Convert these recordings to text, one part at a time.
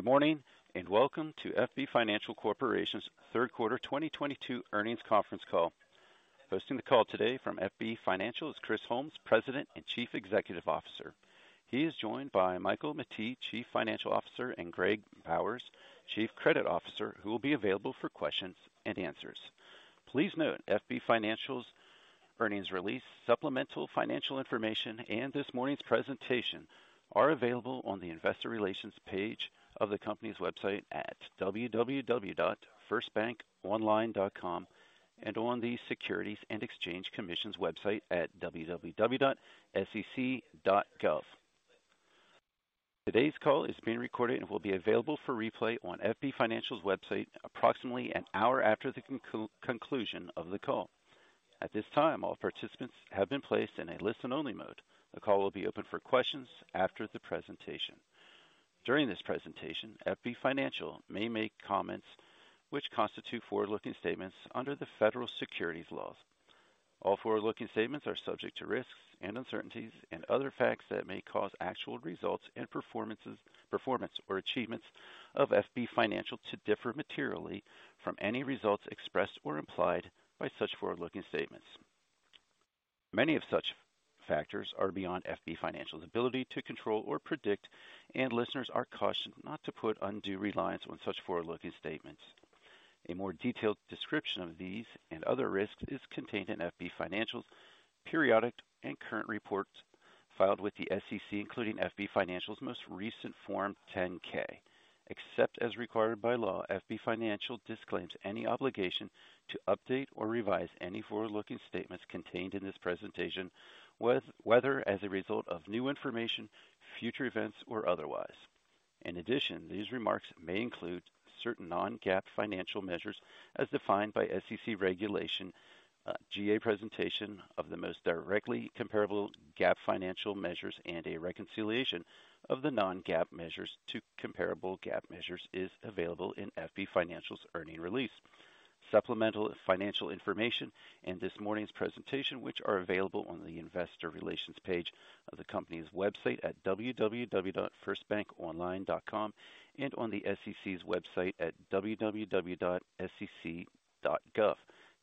Good morning, and welcome to FB Financial Corporation's third quarter 2022 earnings conference call. Hosting the call today from FB Financial is Chris Holmes, President and Chief Executive Officer. He is joined by Michael Mettee, Chief Financial Officer, and Greg Bowers, Chief Credit Officer, who will be available for questions and answers. Please note FB Financial's earnings release, supplemental financial information, and this morning's presentation are available on the investor relations page of the company's website at www.firstbankonline.com and on the Securities and Exchange Commission's website at www.sec.gov. Today's call is being recorded and will be available for replay on FB Financial's website approximately an hour after the conclusion of the call. At this time, all participants have been placed in a listen-only mode. The call will be open for questions after the presentation. During this presentation, FB Financial may make comments which constitute forward-looking statements under the federal securities laws. All forward-looking statements are subject to risks and uncertainties and other facts that may cause actual results and performance or achievements of FB Financial to differ materially from any results expressed or implied by such forward-looking statements. Many of such factors are beyond FB Financial's ability to control or predict, and listeners are cautioned not to put undue reliance on such forward-looking statements. A more detailed description of these and other risks is contained in FB Financial's periodic and current reports filed with the SEC, including FB Financial's most recent Form 10-K. Except as required by law, FB Financial disclaims any obligation to update or revise any forward-looking statements contained in this presentation, whether as a result of new information, future events or otherwise. In addition, these remarks may include certain non-GAAP financial measures as defined by SEC regulation. GAAP presentation of the most directly comparable GAAP financial measures and a reconciliation of the non-GAAP measures to comparable GAAP measures is available in FB Financial's earnings release. Supplemental financial information in this morning's presentation, which is available on the investor relations page of the company's website at www.firstbankonline.com and on the SEC's website at www.sec.gov.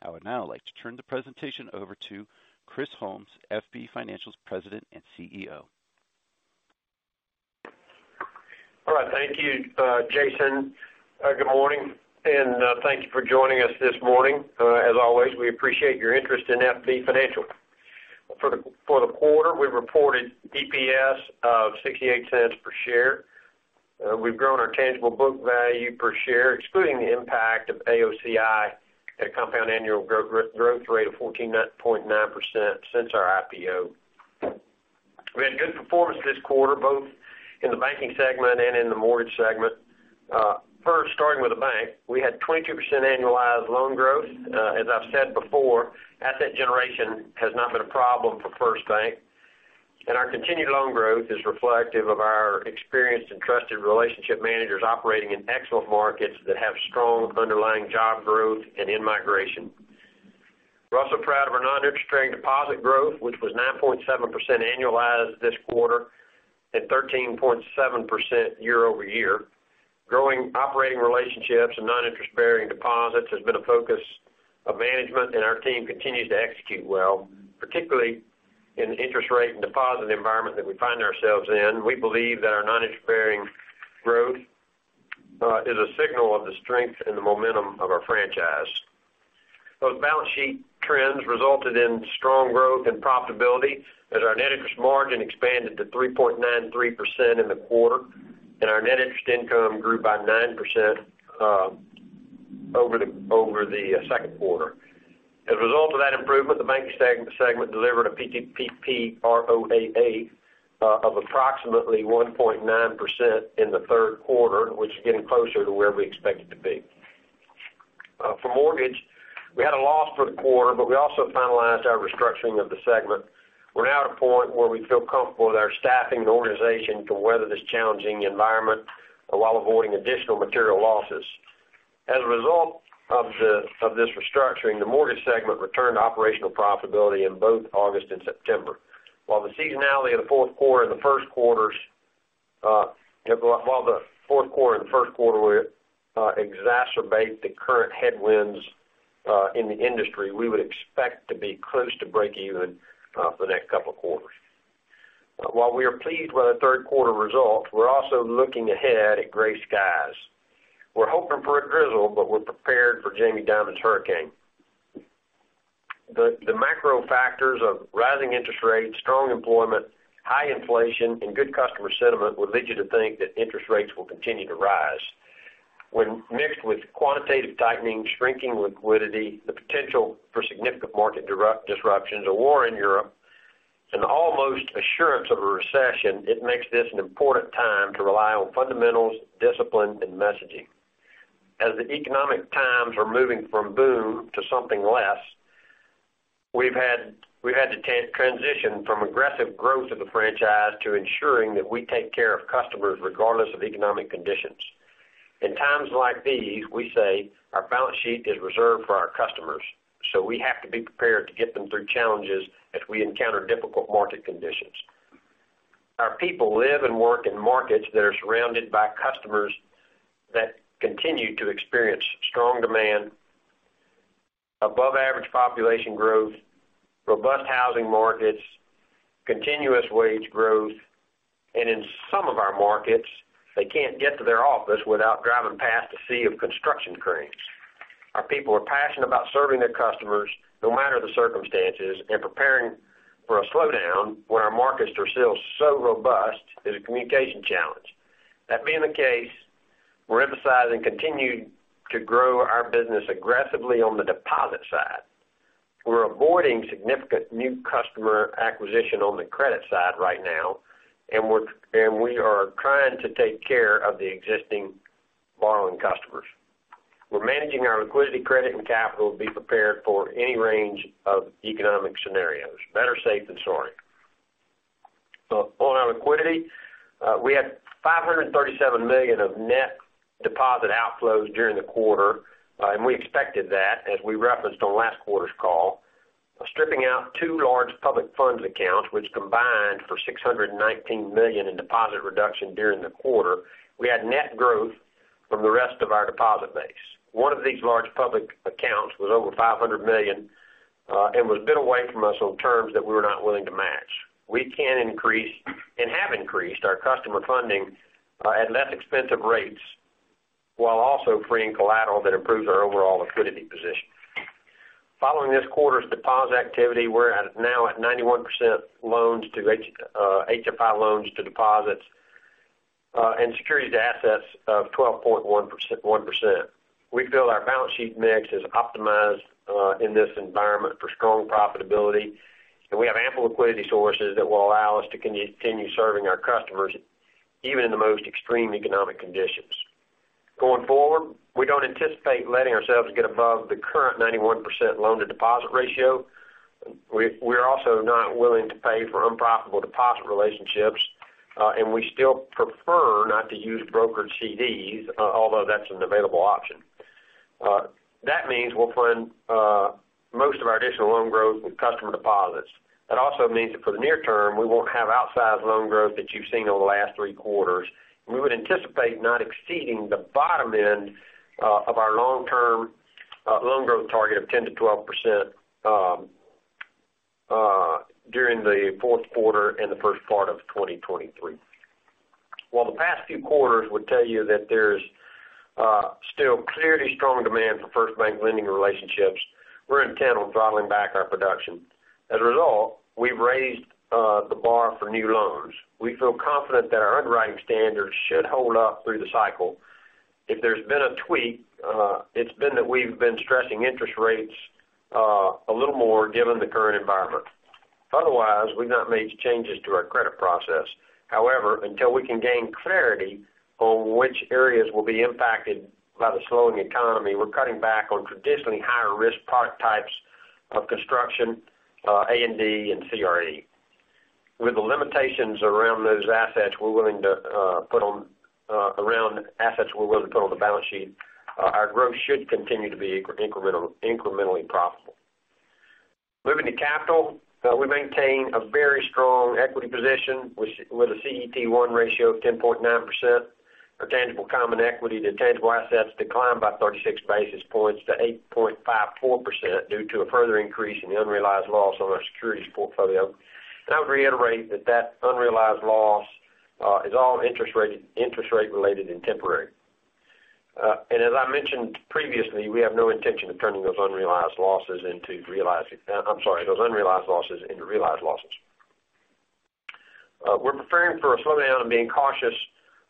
I would now like to turn the presentation over to Chris Holmes, FB Financial's President and CEO. All right. Thank you, Jason. Good morning and thank you for joining us this morning. As always, we appreciate your interest in FB Financial. For the quarter, we reported EPS of $0.68. We've grown our tangible book value per share, excluding the impact of AOCI at a compound annual growth rate of 14.9% since our IPO. We had good performance this quarter, both in the banking segment and in the mortgage segment. First, starting with the bank, we had 22% annualized loan growth. As I've said before, asset generation has not been a problem for FirstBank, and our continued loan growth is reflective of our experienced and trusted relationship managers operating in excellent markets that have strong underlying job growth and in-migration. We're also proud of our non-interest-bearing deposit growth, which was 9.7% annualized this quarter and 13.7% year-over-year. Growing operating relationships and non-interest-bearing deposits has been a focus of management, and our team continues to execute well, particularly in interest rate and deposit environment that we find ourselves in. We believe that our non-interest-bearing growth is a signal of the strength and the momentum of our franchise. Those balance sheet trends resulted in strong growth and profitability as our net interest margin expanded to 3.93% in the quarter, and our net interest income grew by 9% over the second quarter. As a result of that improvement, the banking segment delivered a PPNR to AA of approximately 1.9% in the third quarter, which is getting closer to where we expect it to be. For mortgage, we had a loss for the quarter, but we also finalized our restructuring of the segment. We're now at a point where we feel comfortable with our staffing and organization to weather this challenging environment while avoiding additional material losses. As a result of this restructuring, the mortgage segment returned to operational profitability in both August and September. While the seasonality of the fourth quarter and the first quarter will exacerbate the current headwinds in the industry, we would expect to be close to breakeven for the next couple of quarters. While we are pleased with the third quarter results, we're also looking ahead at gray skies. We're hoping for a drizzle, but we're prepared for Jamie Dimon's hurricane. The macro factors of rising interest rates, strong employment, high inflation and good customer sentiment would lead you to think that interest rates will continue to rise. When mixed with quantitative tightening, shrinking liquidity, the potential for significant market disruptions, a war in Europe, and almost assurance of a recession, it makes this an important time to rely on fundamentals, discipline and messaging. As the economic times are moving from boom to something less, we've had to transition from aggressive growth of the franchise to ensuring that we take care of customers regardless of economic conditions. In times like these, we say our balance sheet is reserved for our customers, so we have to be prepared to get them through challenges as we encounter difficult market conditions. Our people live and work in markets that are surrounded by customers that continue to experience strong demand, above average population growth, robust housing markets, continuous wage growth, and in some of our markets, they can't get to their office without driving past a sea of construction cranes. Our people are passionate about serving their customers no matter the circumstances, and preparing for a slowdown where our markets are still so robust is a communication challenge. That being the case, we're emphasizing continuing to grow our business aggressively on the deposit side. We're avoiding significant new customer acquisition on the credit side right now, and we are trying to take care of the existing borrowing customers. We're managing our liquidity, credit, and capital to be prepared for any range of economic scenarios. Better safe than sorry. On our liquidity, we had $537 million of net deposit outflows during the quarter, and we expected that as we referenced on last quarter's call. Stripping out two large public funds accounts, which combined for $619 million in deposit reduction during the quarter, we had net growth from the rest of our deposit base. One of these large public accounts was over $500 million and was bid away from us on terms that we were not willing to match. We can increase, and have increased our customer funding at less expensive rates, while also freeing collateral that improves our overall liquidity position. Following this quarter's deposit activity, we're now at 91% HFI loans to deposits and securities to assets of 12.1%. We feel our balance sheet mix is optimized in this environment for strong profitability, and we have ample liquidity sources that will allow us to continue serving our customers even in the most extreme economic conditions. Going forward, we don't anticipate letting ourselves get above the current 91% loan to deposit ratio. We're also not willing to pay for unprofitable deposit relationships, and we still prefer not to use brokered CDs, although that's an available option. That means we'll fund most of our additional loan growth with customer deposits. That also means that for the near term, we won't have outsized loan growth that you've seen over the last three quarters. We would anticipate not exceeding the bottom end of our long-term loan growth target of 10%-12% during the fourth quarter and the first part of 2023. While the past few quarters would tell you that there's still clearly strong demand for FirstBank lending relationships, we're intent on throttling back our production. As a result, we've raised the bar for new loans. We feel confident that our underwriting standards should hold up through the cycle. If there's been a tweak, it's been that we've been stressing interest rates a little more given the current environment. Otherwise, we've not made changes to our credit process. However, until we can gain clarity on which areas will be impacted by the slowing economy, we're cutting back on traditionally higher risk product types of construction, A&D, and CRE. With the limitations around those assets we're willing to put on the balance sheet, our growth should continue to be incrementally profitable. Moving to capital, we maintain a very strong equity position with a CET1 ratio of 10.9%. Our tangible common equity to tangible assets declined by 36 basis points to 8.54% due to a further increase in the unrealized loss on our securities portfolio. I would reiterate that unrealized loss is all interest rate related and temporary. As I mentioned previously, we have no intention of turning those unrealized losses into realized losses. We're preparing for a slowdown and being cautious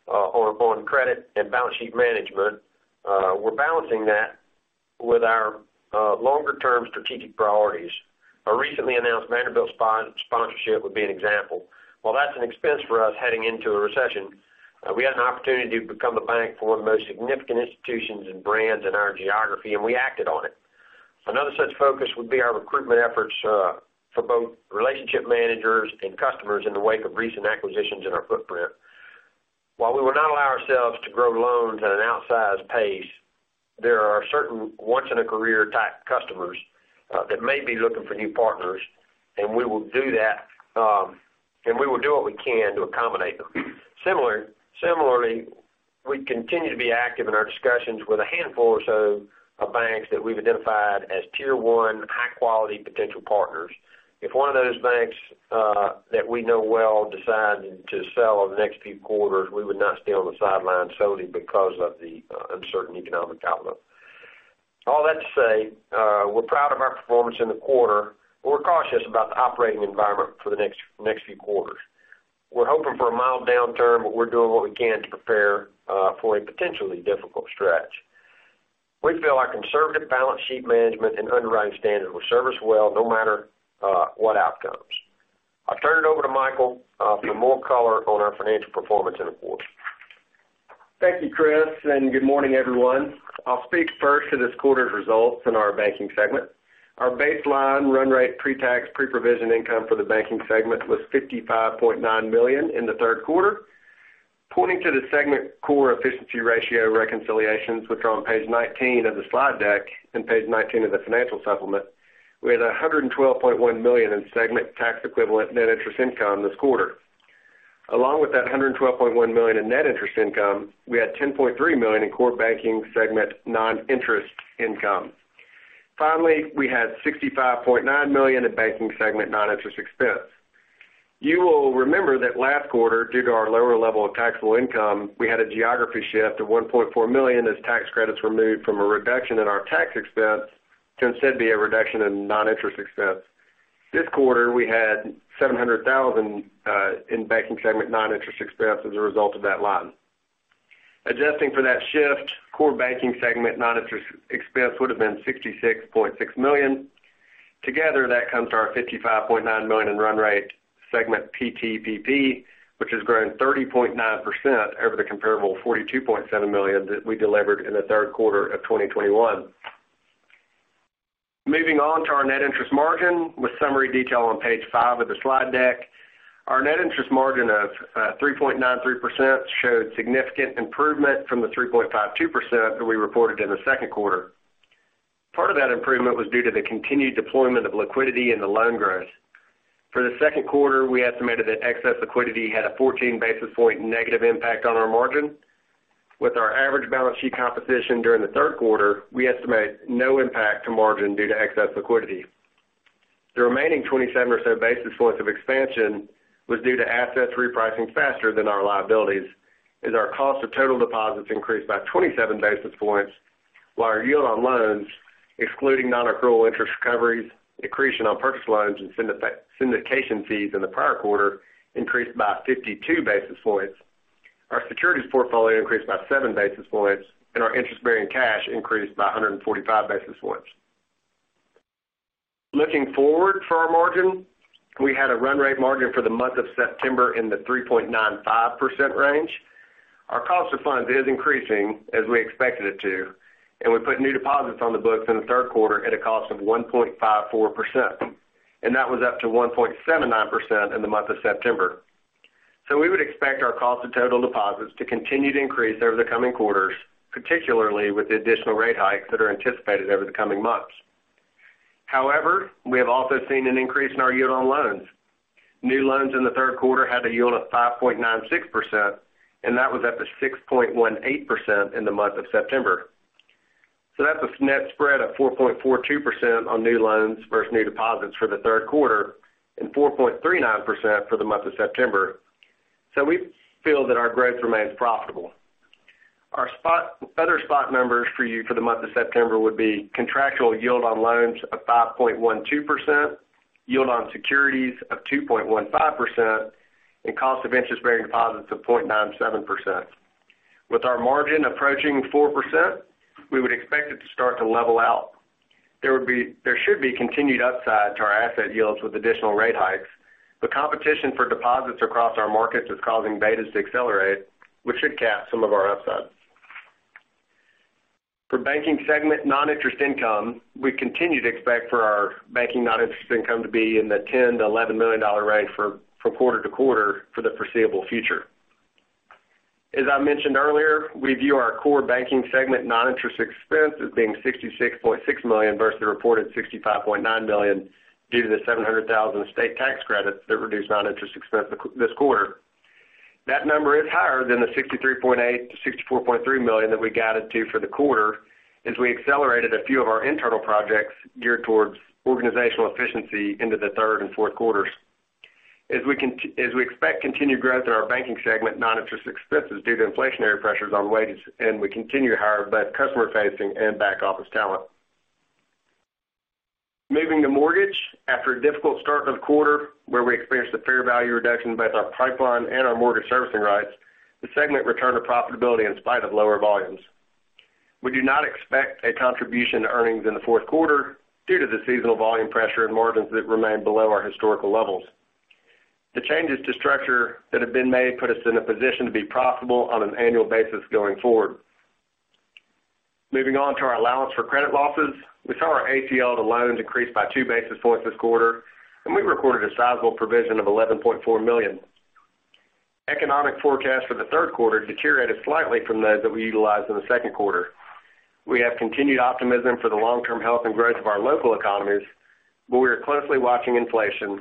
on credit and balance sheet management. We're balancing that with our longer-term strategic priorities. Our recently announced Vanderbilt sponsorship would be an example. While that's an expense for us heading into a recession, we had an opportunity to become the bank for one of the most significant institutions and brands in our geography, and we acted on it. Another such focus would be our recruitment efforts for both relationship managers and customers in the wake of recent acquisitions in our footprint. While we will not allow ourselves to grow loans at an outsized pace, there are certain once in a career type customers that may be looking for new partners, and we will do that, and we will do what we can to accommodate them. Similarly, we continue to be active in our discussions with a handful or so of banks that we've identified as tier one high quality potential partners. If one of those banks that we know well decide to sell next few quarters, we would not stay on the sidelines solely because of the uncertain economic outlook. All that to say, we're proud of our performance in the quarter, but we're cautious about the operating environment for the next few quarters. We're hoping for a mild downturn, but we're doing what we can to prepare, for a potentially difficult stretch. We feel our conservative balance sheet management and underwriting standards will serve us well no matter, what outcomes. I'll turn it over to Michael, for more color on our financial performance in the quarter. Thank you, Chris, and good morning, everyone. I'll speak first to this quarter's results in our banking segment. Our baseline run rate pretax preprovision income for the banking segment was $55.9 million in the third quarter. Pointing to the segment core efficiency ratio reconciliations, which are on page 19 of the slide deck and page 19 of the financial supplement, we had $112.1 million in segment tax equivalent net interest income this quarter. Along with that $112.1 million in net interest income, we had $10.3 million in core banking segment non-interest income. Finally, we had $65.9 million in banking segment non-interest expense. You will remember that last quarter, due to our lower level of taxable income, we had a geography shift of $1.4 million as tax credits were moved from a reduction in our tax expense to instead be a reduction in non-interest expense. This quarter, we had $700,000 in banking segment non-interest expense as a result of that line. Adjusting for that shift, core banking segment non-interest expense would have been $66.6 million. Together, that comes to our $55.9 million in run rate segment PTPP, which has grown 30.9% over the comparable $42.7 million that we delivered in the third quarter of 2021. Moving on to our net interest margin, with summary detail on page 5 of the slide deck. Our net interest margin of 3.93% showed significant improvement from the 3.52% that we reported in the second quarter. Part of that improvement was due to the continued deployment of liquidity in the loan growth. For the second quarter, we estimated that excess liquidity had a 14 basis point negative impact on our margin. With our average balance sheet composition during the third quarter, we estimate no impact to margin due to excess liquidity. The remaining 27 or so basis points of expansion was due to assets repricing faster than our liabilities as our cost of total deposits increased by 27 basis points, while our yield on loans, excluding non-accrual interest recoveries, accretion on purchase loans, and syndication fees in the prior quarter, increased by 52 basis points. Our securities portfolio increased by 7 basis points, and our interest-bearing cash increased by 145 basis points. Looking forward for our margin, we had a run rate margin for the month of September in the 3.95% range. Our cost of funds is increasing, as we expected it to, and we put new deposits on the books in the third quarter at a cost of 1.54%, and that was up to 1.79% in the month of September. We would expect our cost of total deposits to continue to increase over the coming quarters, particularly with the additional rate hikes that are anticipated over the coming months. However, we have also seen an increase in our yield on loans. New loans in the third quarter had a yield of 5.96%, and that was up to 6.18% in the month of September. That's a net spread of 4.42% on new loans versus new deposits for the third quarter and 4.39% for the month of September. We feel that our growth remains profitable. Our other spot numbers for you for the month of September would be contractual yield on loans of 5.12%, yield on securities of 2.15%, and cost of interest-bearing deposits of 0.97%. With our margin approaching 4%, we would expect it to start to level out. There should be continued upside to our asset yields with additional rate hikes. The competition for deposits across our markets is causing betas to accelerate, which should cap some of our upside. For banking segment non-interest income, we continue to expect our banking non-interest income to be in the $10-$11 million range quarter-to-quarter for the foreseeable future. As I mentioned earlier, we view our core banking segment non-interest expense as being $66.6 million versus the reported $65.9 million due to the $700,000 state tax credit that reduced non-interest expense this quarter. That number is higher than the $63.8-$64.3 million that we guided to for the quarter, as we accelerated a few of our internal projects geared towards organizational efficiency into the third and fourth quarters. As we expect continued growth in our banking segment non-interest expenses due to inflationary pressures on wages, and we continue to hire both customer-facing and back-office talent. Moving to mortgage, after a difficult start to the quarter, where we experienced a fair value reduction in both our pipeline and our mortgage servicing rights, the segment returned to profitability in spite of lower volumes. We do not expect a contribution to earnings in the fourth quarter due to the seasonal volume pressure and margins that remain below our historical levels. The changes to structure that have been made put us in a position to be profitable on an annual basis going forward. Moving on to our allowance for credit losses. We saw our ACL to loans increase by two basis points this quarter, and we recorded a sizable provision of $11.4 million. Economic forecasts for the third quarter deteriorated slightly from those that we utilized in the second quarter. We have continued optimism for the long-term health and growth of our local economies, but we are closely watching inflation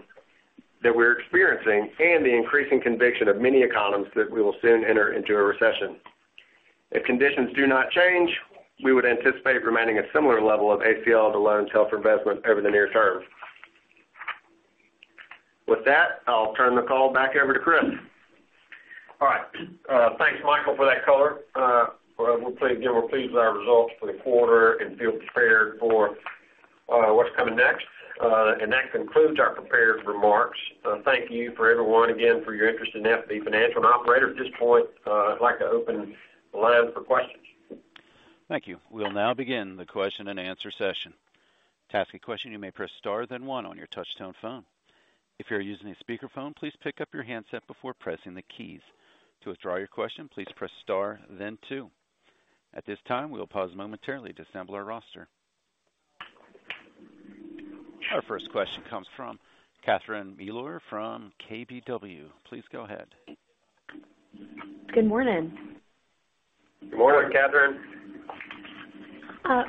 that we're experiencing and the increasing conviction of many economists that we will soon enter into a recession. If conditions do not change, we would anticipate remaining a similar level of ACL to loans held for investment over the near term. With that, I'll turn the call back over to Chris. All right. Thanks, Michael, for that color. We're pleased again with our results for the quarter and feel prepared for what's coming next. That concludes our prepared remarks. Thank you, everyone, again, for your interest in FB Financial. Operator, at this point, I'd like to open the line up for questions. Thank you. We'll now begin the question-and-answer session. To ask a question, you may press star then one on your touch-tone phone. If you're using a speakerphone, please pick up your handset before pressing the keys. To withdraw your question, please press star then two. At this time, we'll pause momentarily to assemble our roster. Our first question comes from Catherine Mealor from KBW. Please go ahead. Good morning. Good morning, Catherine.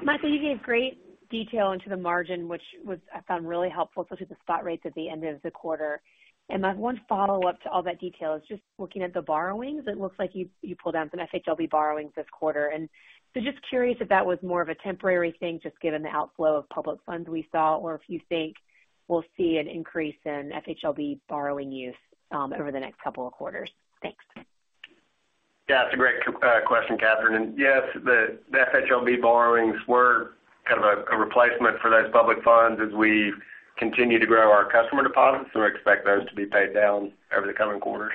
Michael, you gave great detail into the margin, which I found really helpful, especially the spot rates at the end of the quarter. My one follow-up to all that detail is just looking at the borrowings. It looks like you pulled down some FHLB borrowings this quarter. Just curious if that was more of a temporary thing, just given the outflow of public funds we saw, or if you think we'll see an increase in FHLB borrowing use over the next couple of quarters. Thanks. Yeah, it's a great question, Catherine. Yes, the FHLB borrowings were kind of a replacement for those public funds as we continue to grow our customer deposits, and we expect those to be paid down over the coming quarters.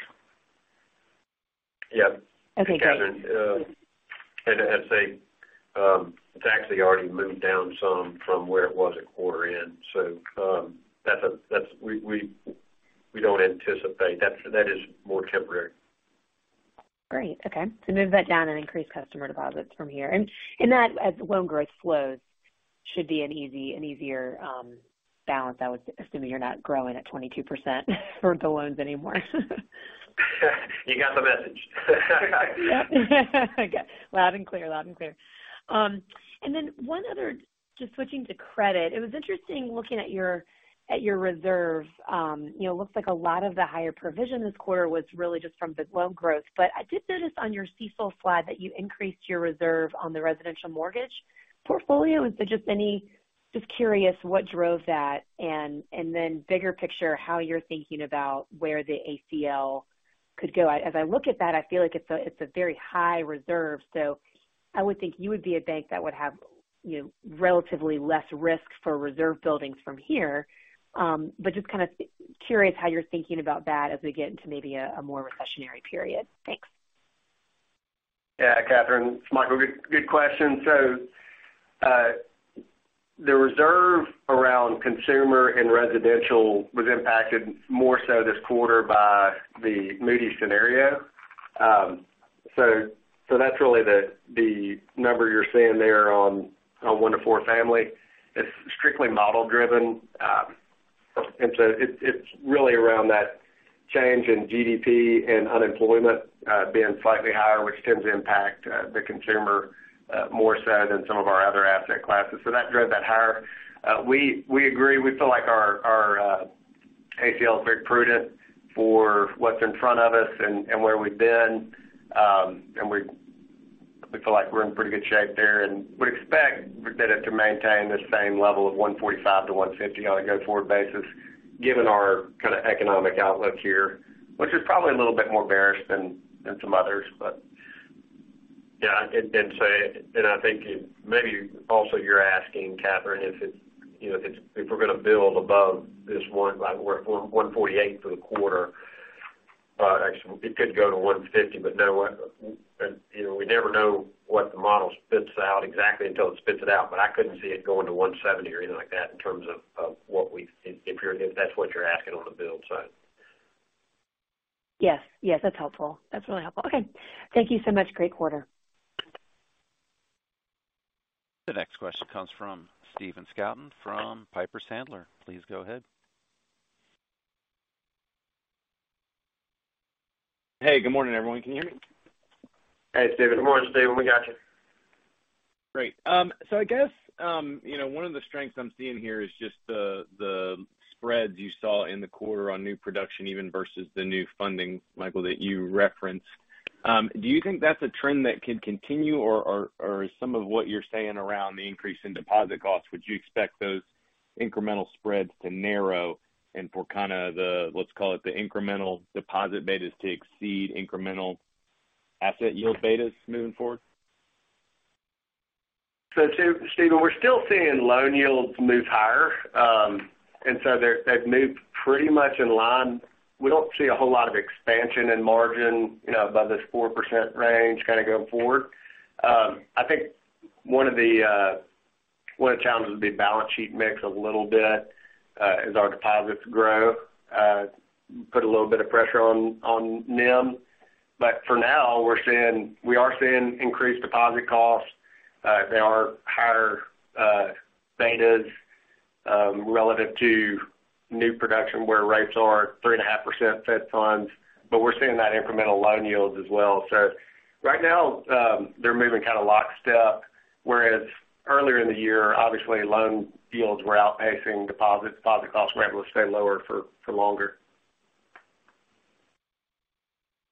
Yeah. Okay, great. Catherine, I'd say it's actually already moved down some from where it was at quarter end. We don't anticipate. That is more temporary. Great. Okay. Move that down and increase customer deposits from here. That as loan growth slows should be an easier balance, I would assume you're not growing at 22% for the loans anymore. You got the message. Yep. I got loud and clear. Loud and clear. One other just switching to credit. It was interesting looking at your reserve. You know, looks like a lot of the higher provision this quarter was really just from the loan growth. I did notice on your CECL slide that you increased your reserve on the residential mortgage portfolio. Just curious what drove that? Bigger picture, how you're thinking about where the ACL could go. As I look at that, I feel like it's a very high reserve. I would think you would be a bank that would have, you know, relatively less risk for reserve buildings from here. Just kind of curious how you're thinking about that as we get into maybe a more recessionary period. Thanks. Yeah. Catherine, Michael, good question. The reserve around consumer and residential was impacted more so this quarter by the Moody's scenario. That's really the number you're seeing there on 1-4 family. It's strictly model driven. It's really around that change in GDP and unemployment being slightly higher, which tends to impact the consumer more so than some of our other asset classes. That drove that higher. We agree, we feel like our ACL is very prudent for what's in front of us and where we've been. We feel like we're in pretty good shape there, and we expect it to maintain the same level of 145-150 on a go forward basis, given our kind of economic outlook here, which is probably a little bit more bearish than some others. I think maybe also you're asking, Catherine, if it's, you know, if we're going to build above this one, like we're at 148 for the quarter. Actually it could go to 150, but no, you know, we never know what the model spits out exactly until it spits it out, but I couldn't see it going to 170 or anything like that in terms of what we've if that's what you're asking on the build side. Yes. Yes, that's helpful. That's really helpful. Okay, thank you so much. Great quarter. The next question comes from Stephen Scouten from Piper Sandler. Please go ahead. Hey, good morning, everyone. Can you hear me? Hey, Stephen. Good morning, Stephen. We got you. Great. So I guess, you know, one of the strengths I'm seeing here is just the spreads you saw in the quarter on new production, even versus the new funding, Michael, that you referenced. Do you think that's a trend that could continue or is some of what you're saying around the increase in deposit costs, would you expect those incremental spreads to narrow and for kind of the, let's call it the incremental deposit betas to exceed incremental asset yield betas moving forward? Stephen, we're still seeing loan yields move higher. They've moved pretty much in line. We don't see a whole lot of expansion in margin, you know, above this 4% range kind of going forward. I think one of the challenges will be balance sheet mix a little bit, as our deposits grow, put a little bit of pressure on NIM. For now we are seeing increased deposit costs. They are higher betas, relative to new production where rates are 3.5% Fed funds, but we're seeing that incremental loan yields as well. Right now, they're moving kind of lockstep, whereas earlier in the year obviously loan yields were outpacing deposits. Deposit costs were able to stay lower for longer.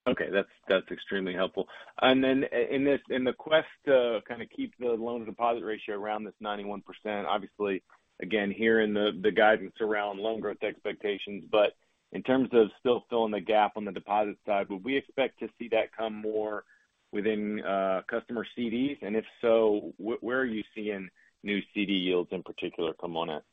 Okay, that's extremely helpful. In the quest to kind of keep the loan-to-deposit ratio around this 91%, obviously, again, hearing the guidance around loan growth expectations, but in terms of still filling the gap on the deposit side, would we expect to see that come more within customer CDs? And if so, where are you seeing new CD yields in particular come in at?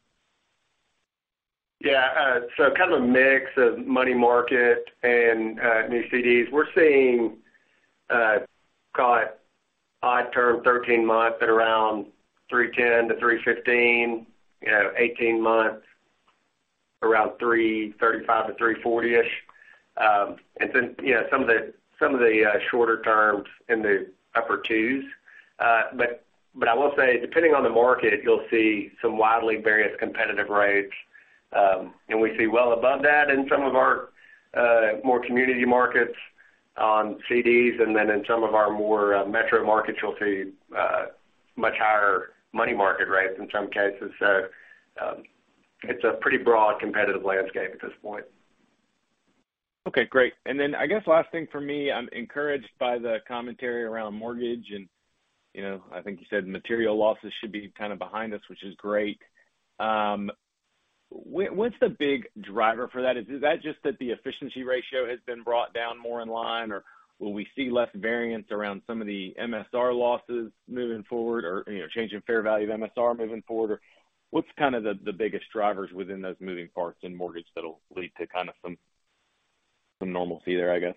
Yeah. Kind of a mix of money market and new CDs. We're seeing call it odd term, 13 months at around 3.10%-3.15%, you know, 18 months. Around 3.35-3.40-ish. Some of the shorter terms in the upper 2s. I will say, depending on the market, you'll see some widely varying competitive rates. We see well above that in some of our more community markets on CDs. In some of our more metro markets, you'll see much higher money market rates in some cases. It's a pretty broad competitive landscape at this point. Okay, great. I guess last thing for me, I'm encouraged by the commentary around mortgage and, you know, I think you said material losses should be kind of behind us, which is great. What's the big driver for that? Is that just that the efficiency ratio has been brought down more in line? Or will we see less variance around some of the MSR losses moving forward or, you know, change in fair value of MSR moving forward? Or what's kind of the biggest drivers within those moving parts in mortgage that'll lead to kind of some normalcy there, I guess?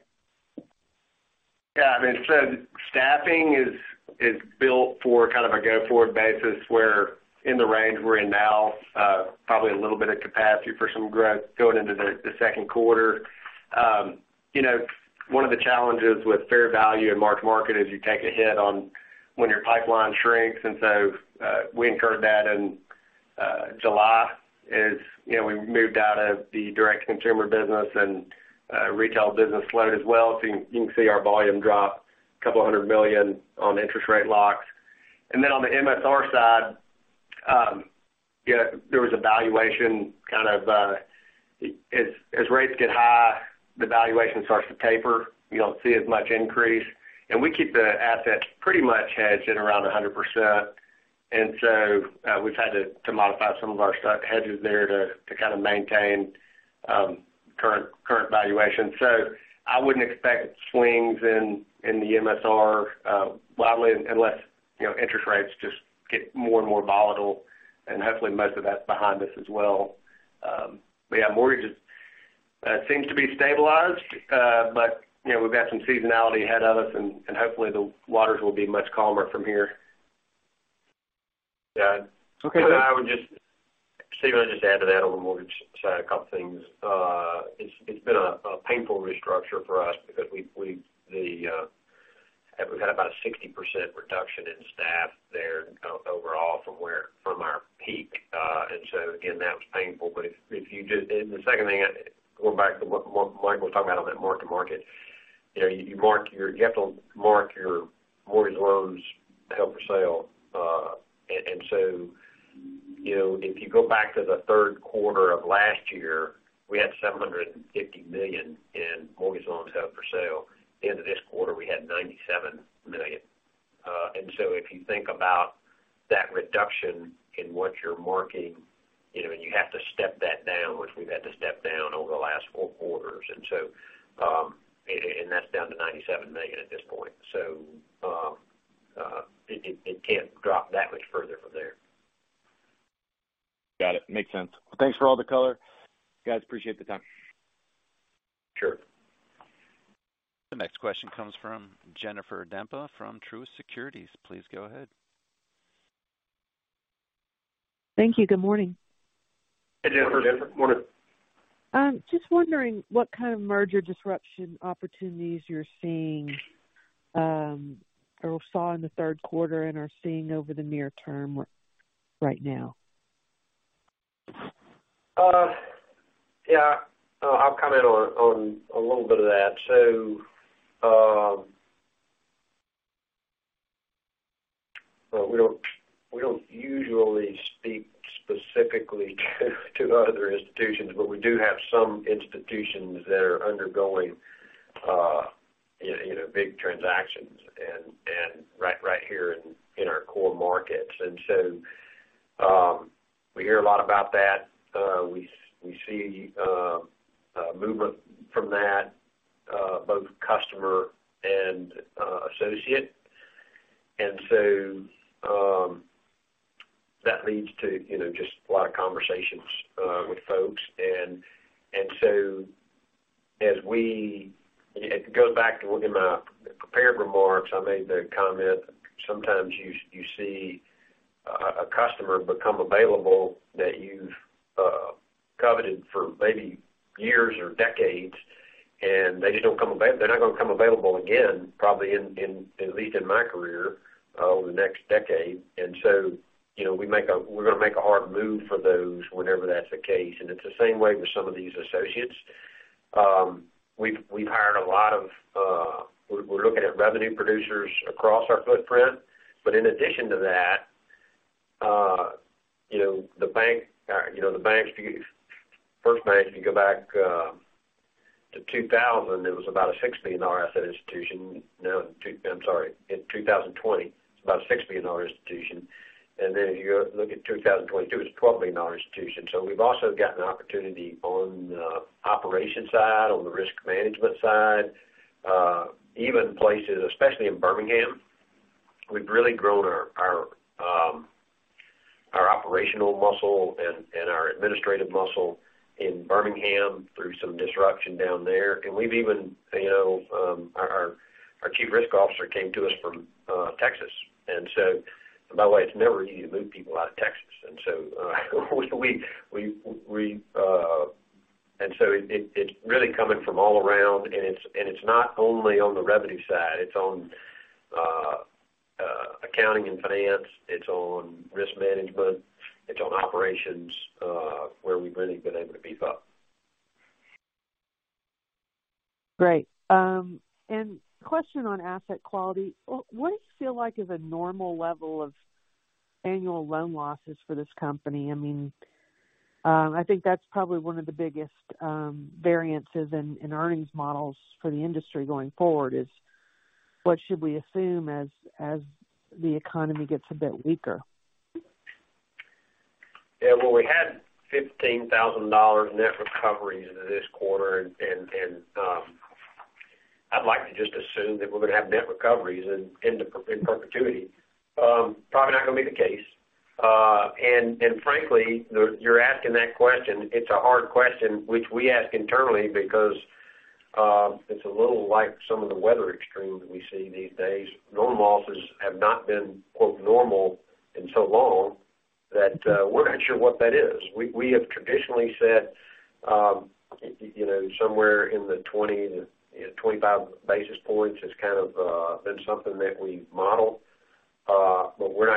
Yeah, I mean, staffing is built for kind of a go-forward basis, where in the range we're in now, probably a little bit of capacity for some growth going into the second quarter. You know, one of the challenges with fair value and mark-to-market is you take a hit on when your pipeline shrinks, and so we incurred that in July as you know, we moved out of the direct consumer business and retail business slowed as well. You can see our volume drop $200 million on interest rate locks. And then on the MSR side, you know, there was a valuation kind of as rates get high, the valuation starts to taper. You don't see as much increase. And we keep the assets pretty much hedged at around 100%. We've had to modify some of our stock hedges there to kind of maintain current valuation. I wouldn't expect swings in the MSR widely unless you know interest rates just get more and more volatile. Hopefully, most of that's behind us as well. Yeah, mortgages seem to be stabilized. You know, we've got some seasonality ahead of us and hopefully the waters will be much calmer from here. Yeah. Okay. I would just, Stephen Scouten, I'd just add to that on the mortgage side, a couple things. It's been a painful restructure for us because we've had about a 60% reduction in staff their kind of overall from our peak. That was painful. If you just and the second thing, going back to what Mike was talking about on that mark-to-market, you know, you have to mark your mortgage loans held for sale. You know, if you go back to the third quarter of last year, we had $750 million in mortgage loans held for sale. The end of this quarter, we had $97 million. If you think about that reduction in what you're marking, you know, and you have to step that down, which we've had to step down over the last four quarters. That's down to $97 million at this point. It can't drop that much further from there. Got it. Makes sense. Thanks for all the color. Guys, appreciate the time. Sure. The next question comes from Jennifer Demba from Truist Securities. Please go ahead. Thank you. Good morning. Hey, Jennifer. Good morning. Just wondering what kind of merger disruption opportunities you're seeing, or saw in the third quarter and are seeing over the near term right now? Yeah. I'll comment on a little bit of that. Well, we don't usually speak specifically to other institutions. We do have some institutions that are undergoing you know big transactions and right here in our core markets. We hear a lot about that. We see movement from that both customer and associate. That leads to you know just a lot of conversations with folks. It goes back to within my prepared remarks. I made the comment, sometimes you see a customer become available that you've coveted for maybe years or decades, and they just don't come available. They're not gonna come available again, probably, at least in my career, over the next decade. You know, we're gonna make a hard move for those whenever that's the case. It's the same way with some of these associates. We're looking at revenue producers across our footprint. In addition to that, the bank, the banks, FirstBank, if you go back to 2000, it was about a $6 billion institution. Now, I'm sorry, in 2020, it's about a $6 billion institution. Then if you go look at 2022, it's a $12 billion institution. We've also gotten opportunity on the operation side, on the risk management side, even places, especially in Birmingham. We've really grown our operational muscle and our administrative muscle in Birmingham through some disruption down there. We've even, our chief risk officer came to us from Texas. By the way, it's never easy to move people out of Texas. We... It's really coming from all around, and it's not only on the revenue side. It's on accounting and finance, it's on risk management, it's on operations, where we've really been able to beef up. Great. Question on asset quality. What does it feel like is a normal level of annual loan losses for this company? I mean, I think that's probably one of the biggest variances in earnings models for the industry going forward, is what should we assume as the economy gets a bit weaker? Yeah. Well, we had $15,000 net recoveries in this quarter. I'd like to just assume that we're gonna have net recoveries in perpetuity. Probably not gonna be the case. Frankly, you're asking that question, it's a hard question which we ask internally because it's a little like some of the weather extremes we see these days. Loan losses have not been, quote, "normal," in so long that we're not sure what that is. We have traditionally said, you know, somewhere in the 20-25 basis points has kind of been something that we model, but we're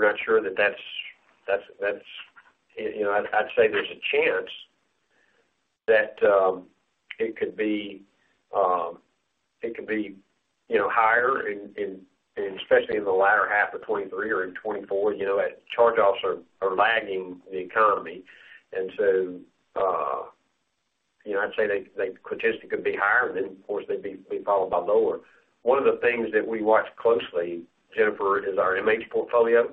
not sure that that's. You know, I'd say there's a chance that it could be, you know, higher, especially in the latter half of 2023 or in 2024. You know, as charge-offs are lagging the economy. You know, I'd say they statistically could be higher and then of course they'd be followed by lower. One of the things that we watch closely, Jennifer, is our MH portfolio.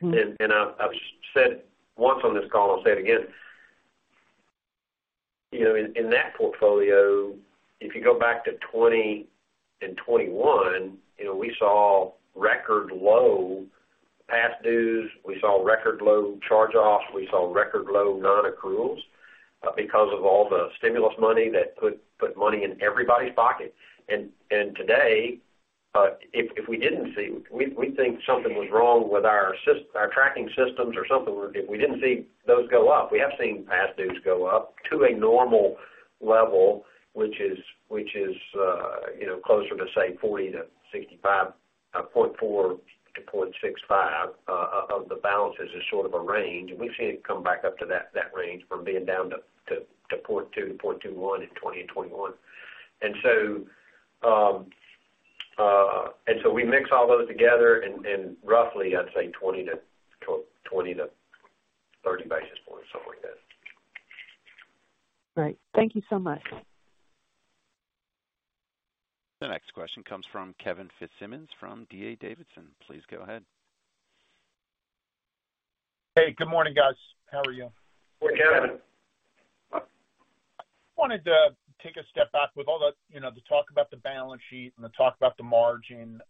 Mm-hmm. I've said once on this call, I'll say it again, you know, in that portfolio, if you go back to 2020 and 2021, you know, we saw record low past dues, we saw record low charge-offs, we saw record low non-accruals, because of all the stimulus money that put money in everybody's pocket. Today, if we didn't see those go up, we'd think something was wrong with our tracking systems or something. We have seen past dues go up to a normal level, which is, you know, closer to, say, 0.40%-0.65% of the balances as sort of a range. We've seen it come back up to that range from being down to 0.2, 0.21 in 2020 and 2021. We mix all those together and roughly I'd say 20-30 basis points, something like that. Great. Thank you so much. The next question comes from Kevin Fitzsimmons from D.A. Davidson. Please go ahead. Hey, good morning, guys. How are you? Morning, Kevin. I wanted to take a step back with all the, you know, the talk about the balance sheet and the talk about the margin.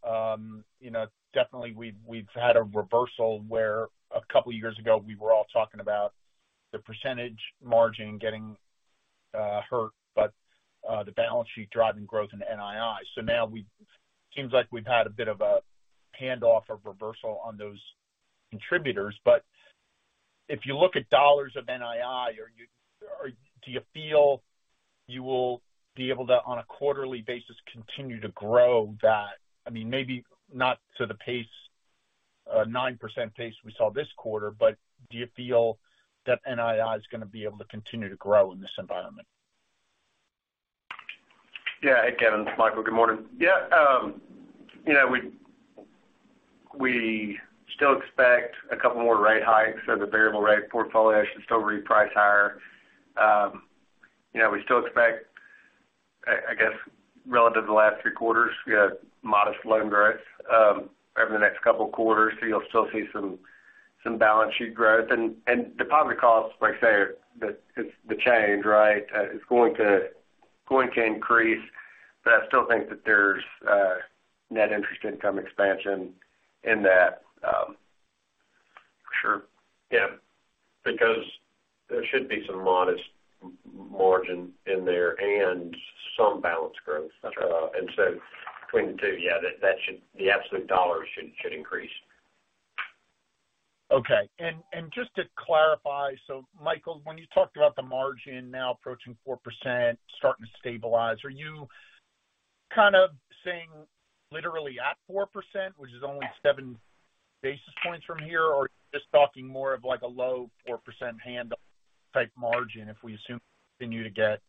You know, definitely we've had a reversal where a couple years ago we were all talking about the percentage margin getting hurt, but the balance sheet driving growth in NII. Now seems like we've had a bit of a handoff reversal on those contributors. If you look at dollars of NII, or do you feel you will be able to, on a quarterly basis, continue to grow that? I mean, maybe not to the pace, 9% pace we saw this quarter, but do you feel that NII is gonna be able to continue to grow in this environment? Yeah. Hey, Kevin. It's Michael. Good morning. Yeah, you know, we still expect a couple more rate hikes, so the variable rate portfolio should still reprice higher. You know, we still expect, I guess relative to the last three quarters, we have modest loan growth over the next couple quarters. You'll still see some balance sheet growth. Deposit costs, like I say, it's the change, right? It's going to increase, but I still think that there's net interest income expansion in that. For sure. Yeah. Because there should be some modest margin in there and some balance growth. Gotcha. Between the two, yeah, the absolute dollar should increase. Just to clarify, Michael, when you talked about the margin now approaching 4% starting to stabilize, are you kind of saying literally at 4%, which is only seven basis points from here? Or are you just talking more of like a low 4% handle type margin if we assume continue to get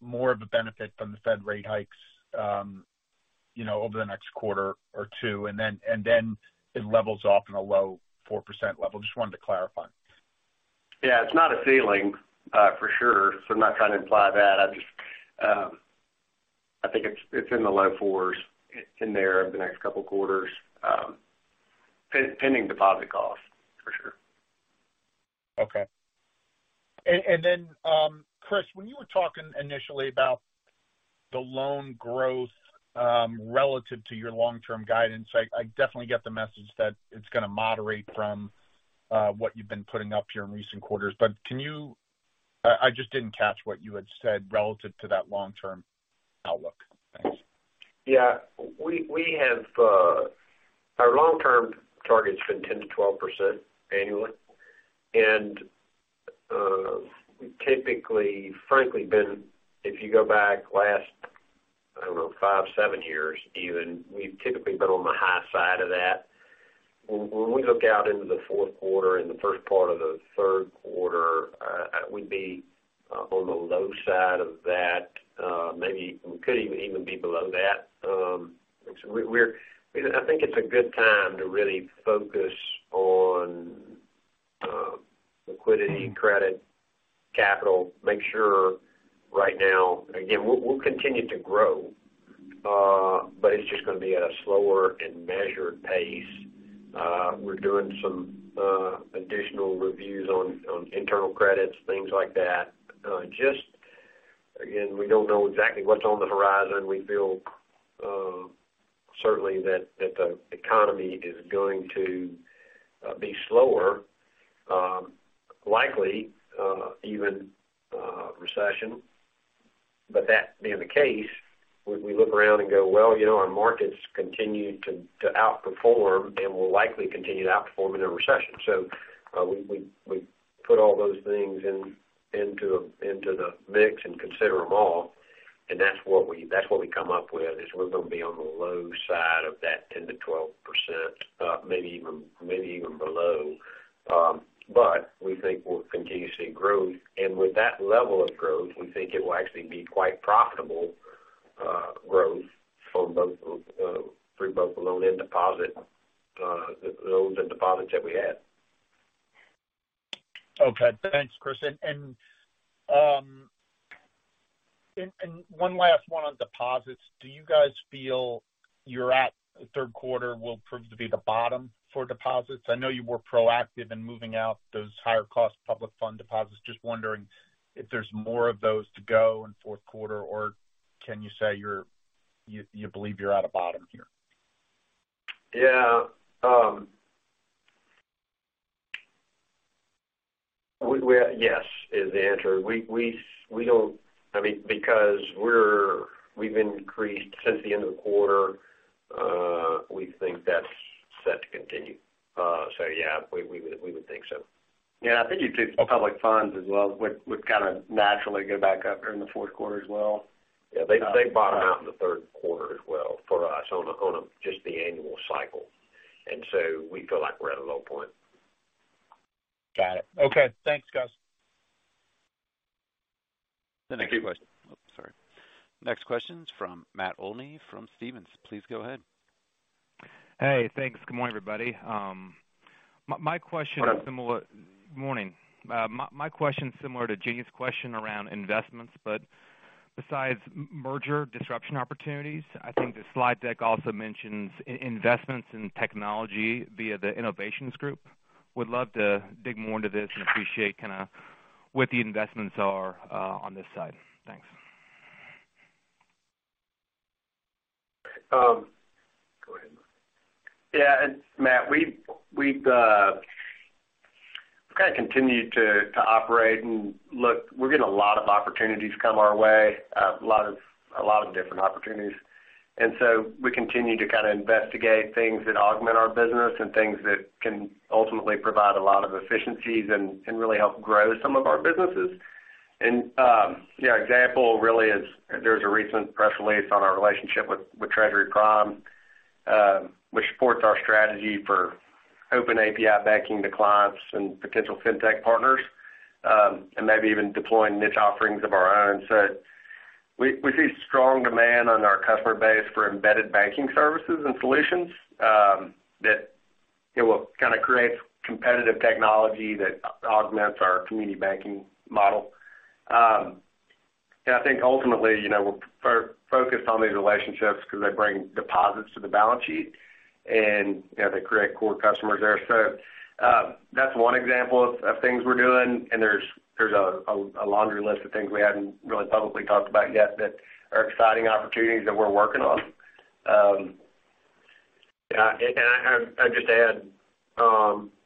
more of a benefit from the Fed rate hikes, you know, over the next quarter or two, and then it levels off in a low 4% level? Just wanted to clarify. Yeah. It's not a ceiling, for sure, so I'm not trying to imply that. I'm just, I think it's in the low fours in there over the next couple quarters, pending deposit costs, for sure. Okay. Then, Chris, when you were talking initially about the loan growth, relative to your long-term guidance, I definitely get the message that it's gonna moderate from what you've been putting up here in recent quarters. I just didn't catch what you had said relative to that long-term outlook. Thanks. Yeah. Our long-term target's been 10%-12% annually. Typically, frankly, been if you go back last, I don't know, 5-7 years even, we've typically been on the high side of that. When we look out into the fourth quarter and the first part of the third quarter, we'd be on the low side of that, maybe we could even be below that. You know, I think it's a good time to really focus on liquidity, credit, capital, make sure right now. Again, we'll continue to grow, but it's just gonna be at a slower and measured pace. We're doing some additional reviews on internal credits, things like that. Just again, we don't know exactly what's on the horizon. We feel certainly that the economy is going to be slower, likely even a recession. That being the case, we look around and go, well, you know, our markets continue to outperform and will likely continue to outperform in a recession. We put all those things into the mix and consider them all, and that's what we come up with, is we're gonna be on the low side of that 10%-12%, maybe even below. We think we'll continue to see growth. With that level of growth, we think it will actually be quite profitable growth for both through both the loans and deposits that we have. Okay. Thanks, Chris. One last one on deposits. Do you guys feel that the third quarter will prove to be the bottom for deposits? I know you were proactive in moving out those higher cost public fund deposits. Just wondering if there's more of those to go in fourth quarter, or can you say you believe you're at a bottom here? Yeah. Yes, is the answer. We don't. I mean, because we've increased since the end of the quarter, we think that's set to continue. Yeah, we would think so. Yeah. I think you'd see public funds as well would kind of naturally go back up during the fourth quarter as well. Yeah. They bottom out in the third quarter as well for us on a just the annual cycle. We feel like we're at a low point. Got it. Okay. Thanks, guys. The next question. Thank you. Oh, sorry. Next question's from Matt Olney from Stephens. Please go ahead. Hey, thanks. Good morning, everybody. My question is similar- Morning. Morning. My question is similar to Kevin's question around investments, but besides merger disruption opportunities, I think the slide deck also mentions investments in technology via the innovations group. Would love to dig more into this and appreciate kind of what the investments are on this side. Thanks. Um. Go ahead, Mike. Yeah. Matt, we've kind of continued to operate and look, we're getting a lot of opportunities come our way, a lot of different opportunities. We continue to kind of investigate things that augment our business and things that can ultimately provide a lot of efficiencies and really help grow some of our businesses. You know, example really is there's a recent press release on our relationship with Treasury Prime, which supports our strategy for open API banking to clients and potential fintech partners, and maybe even deploying niche offerings of our own. We see strong demand on our customer base for embedded banking services and solutions, that you know, kind of creates competitive technology that augments our community banking model. I think ultimately, you know, we're focused on these relationships because they bring deposits to the balance sheet and, you know, they create core customers there. That's one example of things we're doing, and there's a laundry list of things we haven't really publicly talked about yet that are exciting opportunities that we're working on. I'd just add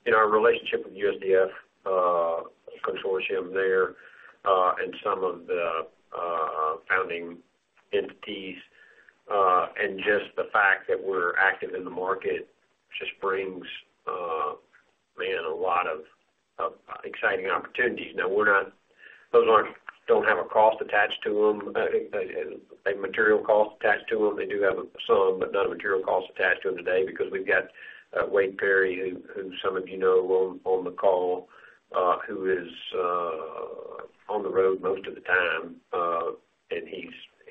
in our relationship with USDF Consortium there and some of the founding entities and just the fact that we're active in the market just brings man a lot of exciting opportunities. Those don't have a cost attached to them. I think they don't have a material cost attached to them. They do have some, but not a material cost attached to them today because we've got Wade Peery, who some of you know on the call, who is on the road most of the time, and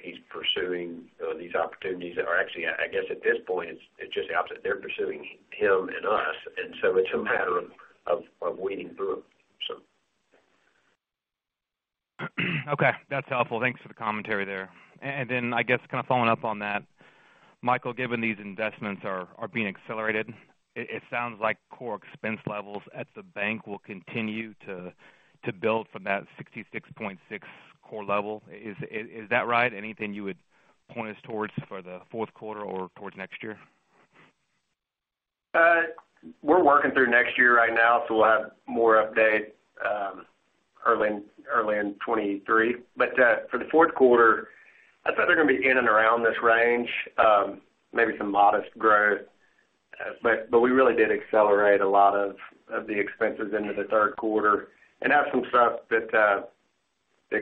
he's pursuing these opportunities that are actually, I guess at this point, it's just the opposite. They're pursuing him and us, and so it's a matter of weeding through them. Okay, that's helpful. Thanks for the commentary there. I guess kind of following up on that, Michael, given these investments are being accelerated, it sounds like core expense levels at the bank will continue to build from that 66.6 core level. Is that right? Anything you would point us towards for the fourth quarter or towards next year? We're working through next year right now, so we'll have more update early in 2023. For the fourth quarter, I thought they're gonna be in and around this range, maybe some modest growth. We really did accelerate a lot of the expenses into the third quarter and have some stuff that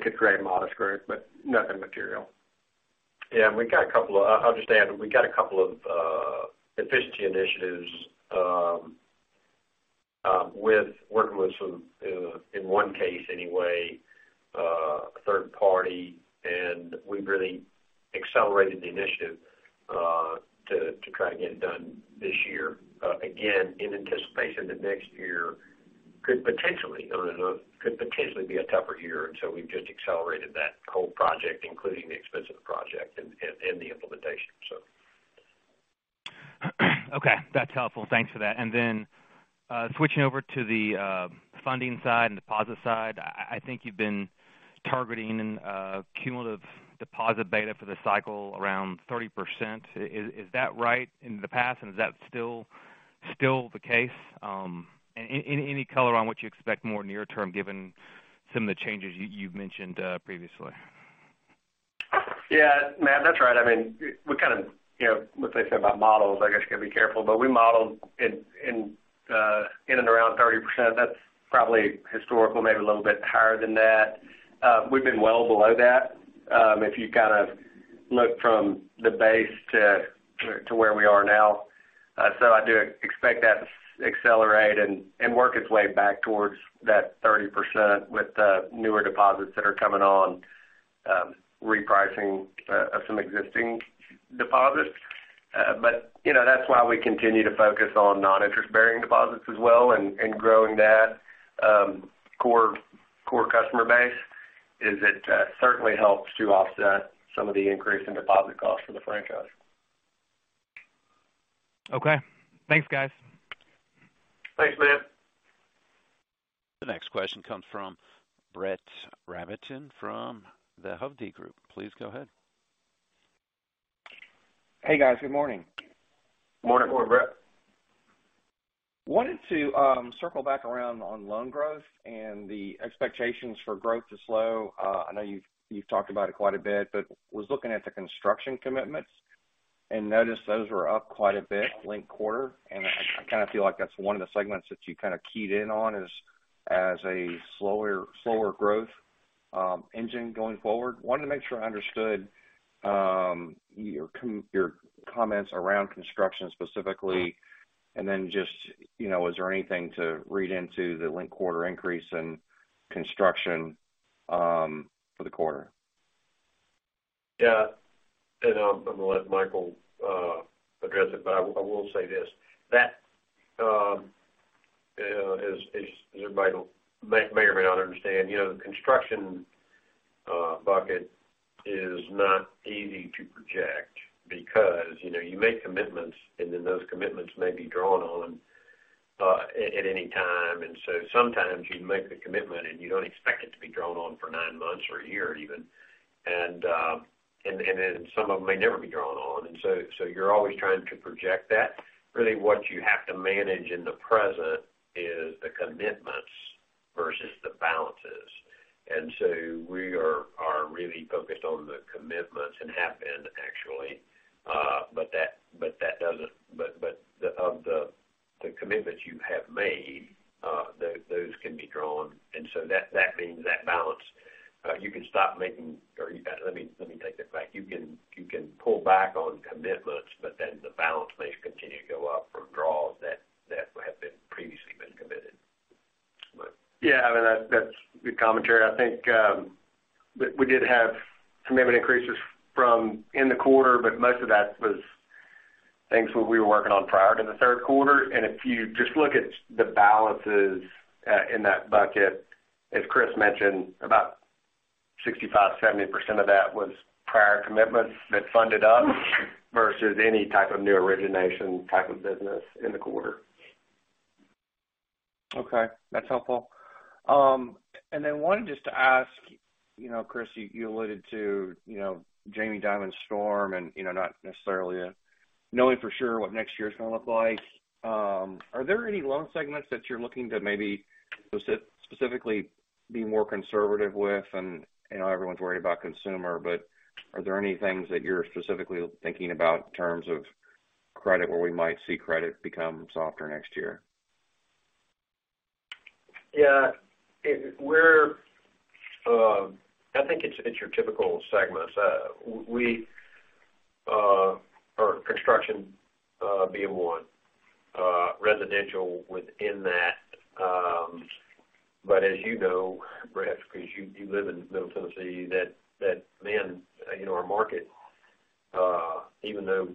could create modest growth, but nothing material. Yeah, we got a couple of efficiency initiatives, working with some, in one case anyway, a third party, and we've really accelerated the initiative to try to get it done this year, again, in anticipation that next year could potentially, I don't know, could potentially be a tougher year. We've just accelerated that whole project, including the expensive project and the implementation, so. Okay, that's helpful. Thanks for that. Switching over to the funding side and deposit side. I think you've been targeting a cumulative deposit beta for the cycle around 30%. Is that right in the past, and is that still the case? Any color on what you expect more near term given some of the changes you've mentioned previously? Yeah. Matt, that's right. I mean, we kind of, you know, with what they say about models, I guess you gotta be careful, but we modeled in and around 30%. That's probably historical, maybe a little bit higher than that. We've been well below that, if you kind of look from the base to where we are now. So I do expect that to accelerate and work its way back towards that 30% with the newer deposits that are coming on, repricing of some existing deposits. But, you know, that's why we continue to focus on non-interest-bearing deposits as well and growing that core customer base, it certainly helps to offset some of the increase in deposit costs for the franchise. Okay. Thanks, guys. Thanks, Matt. The next question comes from Brett Rabatin from the Hovde Group. Please go ahead. Hey, guys. Good morning. Morning. Morning, Brett. Wanted to circle back around on loan growth and the expectations for growth to slow. I know you've talked about it quite a bit, but was looking at the construction commitments and noticed those were up quite a bit linked quarter. I kind of feel like that's one of the segments that you kind of keyed in on is as a slower growth engine going forward. Wanted to make sure I understood your comments around construction specifically, and then just, you know, is there anything to read into the linked quarter increase in construction for the quarter? Yeah. I'm gonna let Michael address it, but I will say this. That is, everybody may or may not understand, you know, the construction bucket is not easy to project because, you know, you make commitments, and then those commitments may be drawn on at any time. Sometimes you make the commitment, and you don't expect it to be drawn on for nine months or a year even. Then some of them may never be drawn on. You're always trying to project that. Really what you have to manage in the present is the commitments versus the balances. We are really focused on the commitments and have been actually. Commitments you have made, those can be drawn. That means that balance. Let me take that back. You can pull back on commitments, but then the balance may continue to go up from draws that have been previously committed. Yeah, I mean, that's good commentary. I think we did have commitment increases from within the quarter, but most of that was things we were working on prior to the third quarter. If you just look at the balances in that bucket, as Chris mentioned, about 65%-70% of that was prior commitments that funded up versus any type of new origination type of business in the quarter. Okay, that's helpful. Wanted just to ask, you know, Chris, you alluded to, you know, Jamie Dimon's storm and, you know, not necessarily knowing for sure what next year's gonna look like. Are there any loan segments that you're looking to maybe specifically be more conservative with? I know everyone's worried about consumer, but are there any things that you're specifically thinking about in terms of credit where we might see credit become softer next year? Yeah. I think it's your typical segments. Our construction, being one, residential within that. As you know, Brett, because you live in Middle Tennessee, that then you know our market even though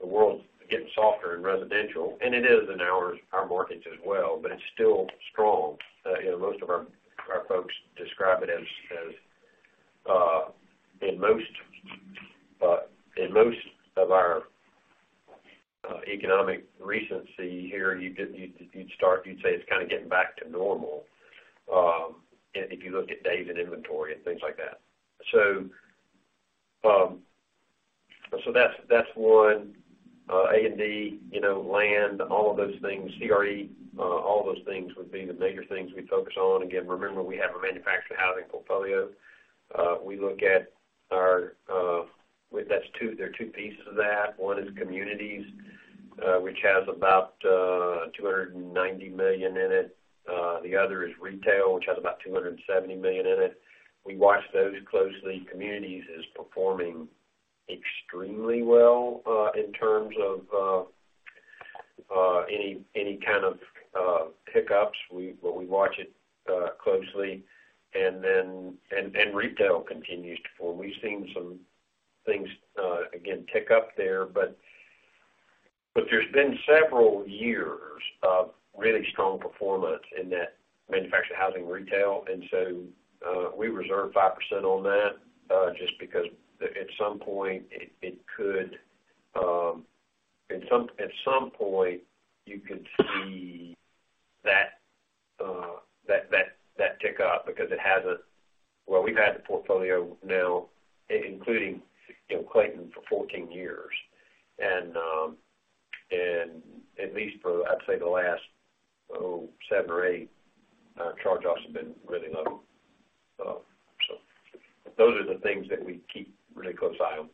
the world's getting softer in residential, and it is in ours, our markets as well, but it's still strong. You know, most of our folks describe it as in most of our economic resiliency here, you'd say it's kind of getting back to normal if you look at days in inventory and things like that. That's one. A&D, you know, land, all of those things, CRE, all those things would be the major things we focus on. Again, remember, we have a manufactured housing portfolio. We look at our. There are two pieces of that. One is communities, which has about $290 million in it. The other is retail, which has about $270 million in it. We watch those closely. Communities is performing extremely well in terms of any kind of hiccups. Well, we watch it closely. Retail continues to perform. We've seen some things again tick up there, but there's been several years of really strong performance in that manufactured housing retail. We reserve 5% on that just because at some point it could. At some point, you could see that tick up because it hasn't. Well, we've had the portfolio now, including in Clayton for 14 years. At least for, I'd say the last 7 or 8 charge-offs have been really low. Those are the things that we keep really close eye on.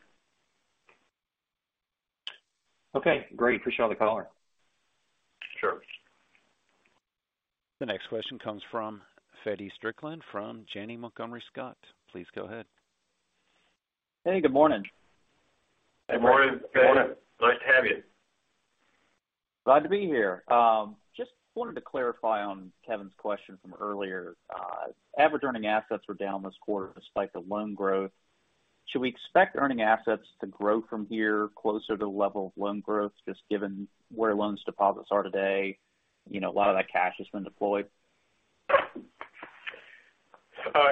Okay, great. Appreciate the color. Sure. The next question comes from Feddie Strickland from Janney Montgomery Scott. Please go ahead. Hey, good morning. Good morning, Feddie. Morning. Nice to have you. Glad to be here. Just wanted to clarify on Kevin's question from earlier. Average earning assets were down this quarter despite the loan growth. Should we expect earning assets to grow from here closer to the level of loan growth, just given where loans and deposits are today? You know, a lot of that cash has been deployed.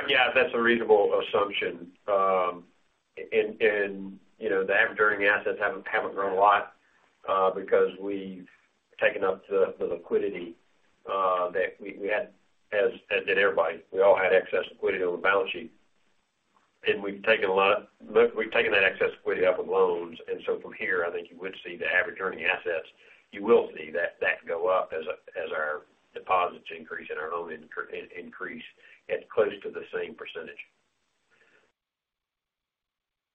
Yeah, that's a reasonable assumption. You know, the average earning assets haven't grown a lot, because we've taken up the liquidity that we had as did everybody. We all had excess liquidity on the balance sheet. We've taken that excess liquidity up with loans. From here, I think you would see the average earning assets. You will see that go up as our deposits increase and our loans increase at close to the same percentage.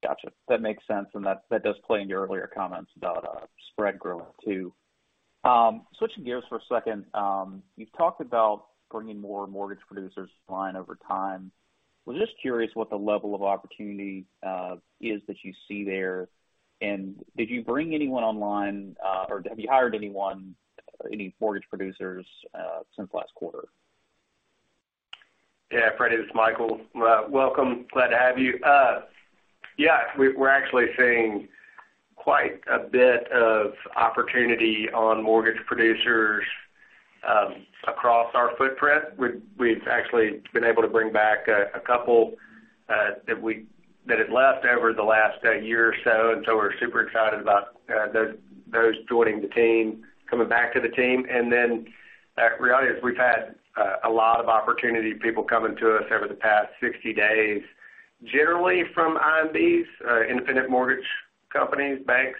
Gotcha. That makes sense. That does play into your earlier comments about spread growth, too. Switching gears for a second, you've talked about bringing more mortgage producers online over time. Was just curious what the level of opportunity is that you see there. Did you bring anyone online, or have you hired any mortgage producers since last quarter? Yeah. Freddy, it's Michael. Welcome. Glad to have you. Yeah, we're actually seeing quite a bit of opportunity on mortgage producers across our footprint. We've actually been able to bring back a couple that had left over the last year or so, and so we're super excited about those joining the team, coming back to the team. The reality is we've had a lot of opportunity, people coming to us over the past 60 days, generally from IMBs, independent mortgage companies, banks,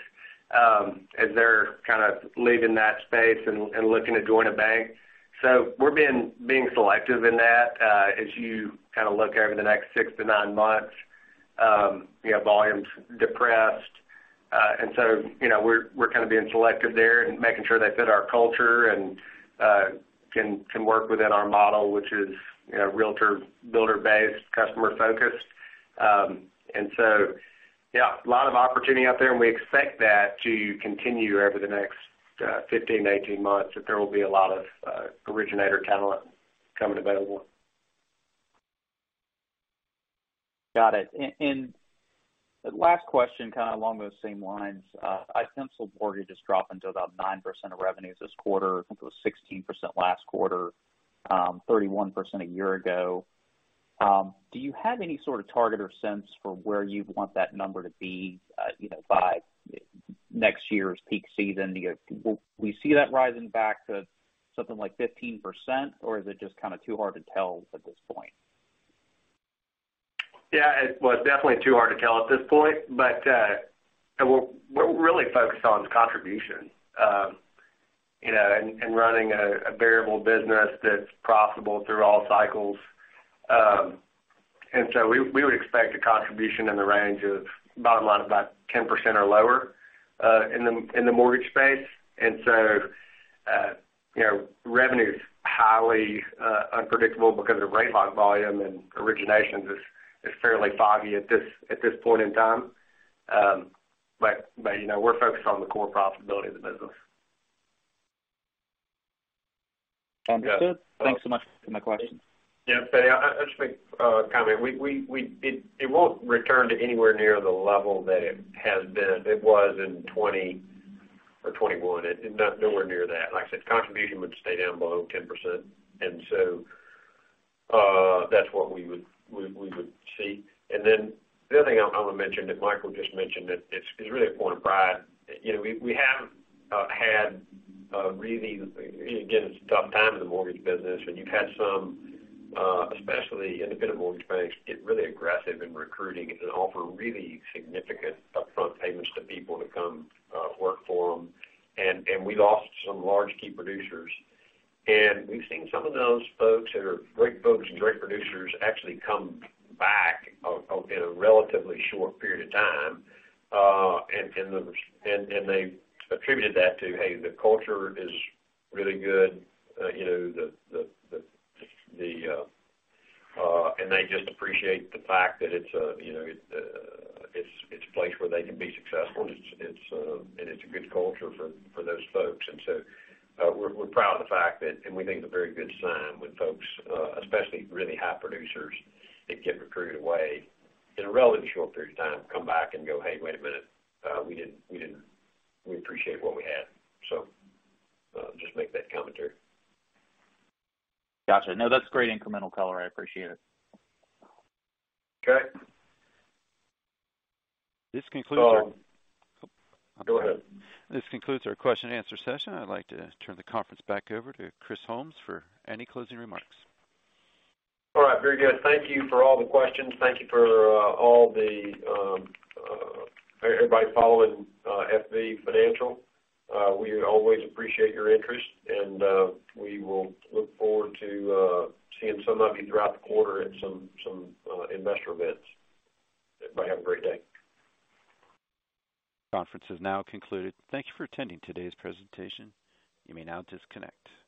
as they're kind of leaving that space and looking to join a bank. We're being selective in that, as you kind of look over the next 6-9 months, you know, volume's depressed. you know, we're kind of being selective there and making sure they fit our culture and can work within our model, which is, you know, realtor, builder-based, customer-focused. Yeah, a lot of opportunity out there, and we expect that to continue over the next 15-18 months, that there will be a lot of originator talent coming available. Got it. Last question, kind of along those same lines, I sensed the mortgages drop to about 9% of revenues this quarter. I think it was 16% last quarter, 31% a year ago. Do you have any sort of target or sense for where you'd want that number to be, you know, by next year's peak season? Will we see that rising back to something like 15%? Or is it just kinda too hard to tell at this point? Yeah, well, it's definitely too hard to tell at this point, but and we're really focused on contribution, you know, and running a variable business that's profitable through all cycles. We would expect a contribution in the range of bottom line of about 10% or lower in the mortgage space. You know, revenue's highly unpredictable because of rate lock volume and originations is fairly foggy at this point in time. You know, we're focused on the core profitability of the business. Understood. Yeah. Thanks so much for my questions. Yeah. Freddy, just a quick comment. It won't return to anywhere near the level that it was in 2020 or 2021. Nowhere near that. Like I said, contribution would stay down below 10%. That's what we would see. Then the other thing I wanna mention that Michael just mentioned that it's really a point of pride. You know, again, it's a tough time in the mortgage business when you've had some, especially independent mortgage banks get really aggressive in recruiting and offer really significant upfront payments to people to come work for them. We lost some large key producers. We've seen some of those folks that are great folks and great producers actually come back in a relatively short period of time. They've attributed that to, hey, the culture is really good. You know, they just appreciate the fact that it's, you know, it's a place where they can be successful. It's a good culture for those folks. We're proud of the fact that we think it's a very good sign when folks, especially really high producers that get recruited away in a relatively short period of time, come back and go, "Hey, wait a minute. We appreciate what we had." Just make that commentary. Gotcha. No, that's great incremental color. I appreciate it. Okay. This concludes our. Oh. Go ahead. This concludes our question-and-answer session. I'd like to turn the conference back over to Chris Holmes for any closing remarks. All right. Very good. Thank you for all the questions. Thank you for all the everybody following FB Financial. We always appreciate your interest, and we will look forward to seeing some of you throughout the quarter at some investor events. Everybody have a great day. Conference is now concluded. Thank you for attending today's presentation. You may now disconnect.